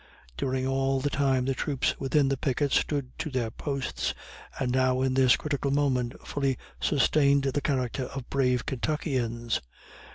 During all the time the troops within the pickets stood to their posts, and now in this critical moment fully sustained the character of brave Kentuckians.